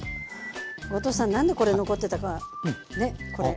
後藤さん何でこれ残ってたかねこれ。